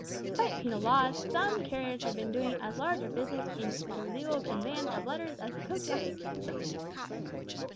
Despite penal laws, some carriers had been doing as large a business in illegal conveyance of letters as the Post Office itself!